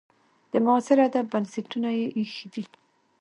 د معاصر ادب بنسټونه یې ایښي دي.